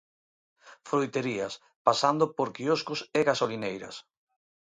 Froiterías, pasando por quioscos e gasolineiras.